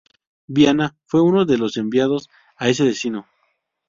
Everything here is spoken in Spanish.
Viana fue uno de los enviados a ese destino.